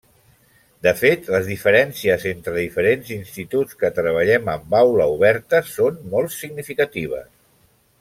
De fet, les diferències entre diferents instituts que treballem amb aula oberta són molt significatives.